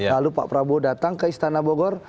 lalu pak prabowo datang ke istana bogor